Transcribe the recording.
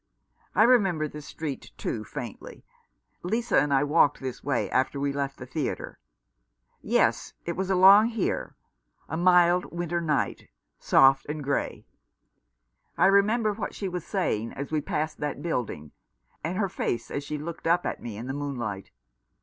I remember this street, too, faintly. Lisa and I walked this way after we left the theatre. Yes, it was along here 213 Rough Justice. —a mild winter night, soft and grey. I remember what she was saying as we passed that building, and her face as she looked up at me in the moon light.